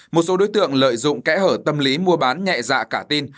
một số đối tượng lợi dụng kẽ hở tâm lý mua bán nhẹ dạ cả tin